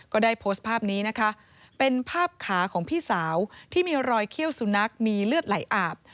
ก็ได้โพสต์ภาพนี้นะคะเป็นภาพขาของพี่สาวที่มีรอยเขี้ยวสุนัขมีเลือดไหลอาบ